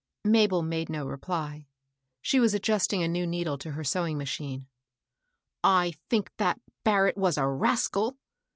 Mabel made no reply. She was adjusting a new needle to her sewing machine. I think that Barrett was a rascal